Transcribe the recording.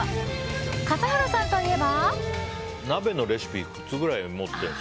笠原さんといえば。